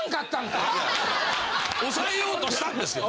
抑えようとしたんですけどね。